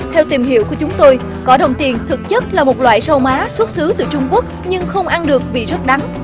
theo tìm hiểu của chúng tôi cỏ đồng tiền thực chất là một loại sâu má xuất xứ từ trung quốc nhưng không ăn được vì rất đắn